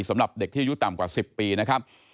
สำหรับเด็กที่อายุต่ำกว่า๑๐ปีนะครับ